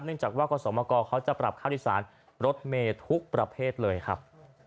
เนื่องจากว่าขอสมกเขาจะปรับข้าวโดยสารรถเมล์ทุกประเภทเลยครับ